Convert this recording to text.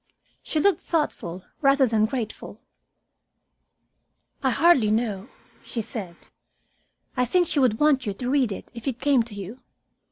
She looked thoughtful rather than grateful. "I hardly know," she said. "I think she would want you to read it if it came to you.